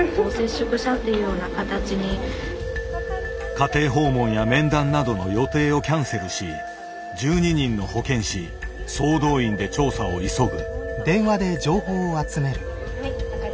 家庭訪問や面談などの予定をキャンセルし１２人の保健師総動員で調査を急ぐ。